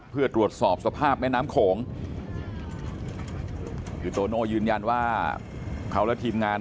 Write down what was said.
เพื่อตรวจสอบสภาพแม่น้ำโขงคือโตโน่ยืนยันว่าเขาและทีมงาน